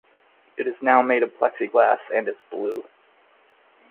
It is now made of plexiglass and is blue.